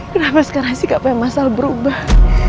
kenapa sekarang sikapnya masalah berubah